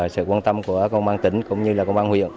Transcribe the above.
sự quan tâm của công an tỉnh cũng như là công an huyện